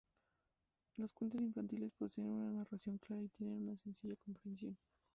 Los cuentos infantiles poseen una narración clara y tienen una sencilla comprensión.